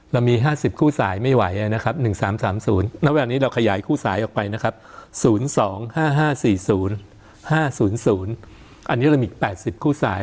เรามี๕๐คู่สายไม่ไหวนะครับ๑๓๓๐ณเวลานี้เราขยายคู่สายออกไปนะครับ๐๒๕๕๔๐๕๐๐อันนี้เรามี๘๐คู่สาย